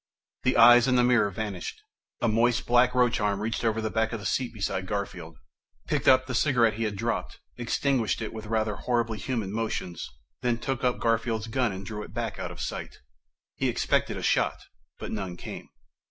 The eyes in the mirror vanished. A moist, black roach arm reached over the back of the seat beside Garfield, picked up the cigarette he had dropped, extinguished it with rather horribly human motions, then took up Garfield's gun and drew back out of sight. He expected a shot, but none came.